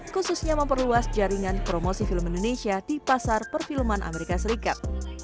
khususnya memperluas jaringan promosi film indonesia di pasar perfilman amerika serikat